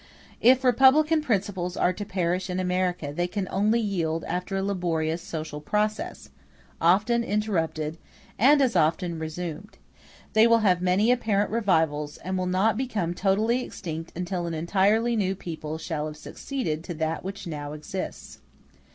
If republican principles are to perish in America, they can only yield after a laborious social process, often interrupted, and as often resumed; they will have many apparent revivals, and will not become totally extinct until an entirely new people shall have succeeded to that which now exists.